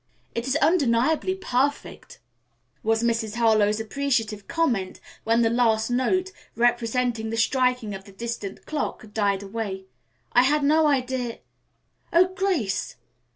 "It is undeniably perfect," was Mrs. Harlowe's appreciative comment when the last note, representing the striking of the distant clock, had died away. "I had no idea " "Oh, Grace!"